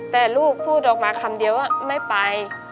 แต่ลูกพูดออกมาคำเดียวว่าไม่ไป